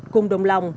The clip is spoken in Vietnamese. cùng đồng lòng